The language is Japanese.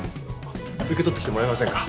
受け取ってきてもらえませんか？